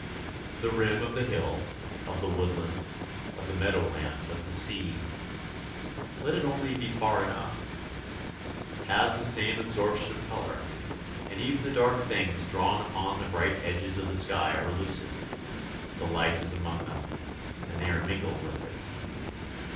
The rim of the hill, of the woodland, of the meadow land, of the sea let it only be far enough has the same absorption of colour; and even the dark things drawn upon the bright edges of the sky are lucid, the light is among them, and they are mingled with it.